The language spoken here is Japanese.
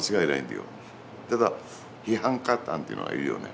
ただ批判家なんていうのがいるよね。